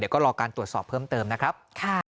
เดี๋ยวก็รอการตรวจสอบเพิ่มเติมนะครับค่ะ